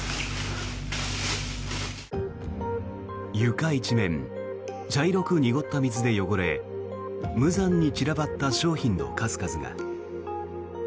床一面、茶色く濁った水で汚れ無残に散らばった商品の数々が。